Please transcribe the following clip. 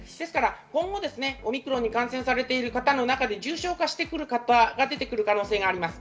今後、オミクロンに感染されてる方の中で重症化してる方が出てくる可能性があります。